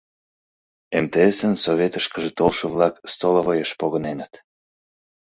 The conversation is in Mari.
МТС-н советышкыже толшо-влак столовоеш погыненыт.